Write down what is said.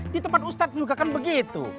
di tempat ustadz juga kan begitu